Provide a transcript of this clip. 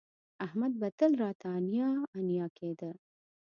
احمد به تل راته انیا انیا کېده